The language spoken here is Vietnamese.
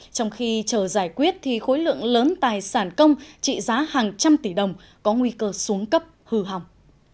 trong khi chờ giải quyết thì khối lượng lớn tài sản công trị giá hàng trăm tỷ đồng có nguy cơ xuống cấp hư hỏng